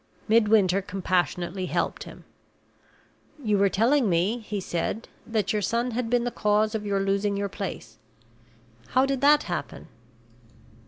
Midwinter compassionately helped him. "You were telling me," he said, "that your son had been the cause of your losing your place. How did that happen?"